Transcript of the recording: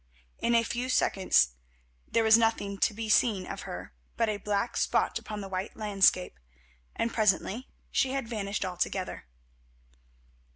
In a few seconds there was nothing to be seen of her but a black spot upon the white landscape, and presently she had vanished altogether.